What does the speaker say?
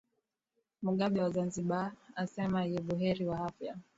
ais mugabe wa zimbabwe asema yubuheri wa afya